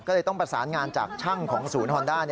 ก็เลยต้องประสานงานจากช่างของศูนย์ฮอนด้า